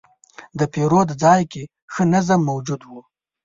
د پیرود ځای کې ښه نظم موجود و.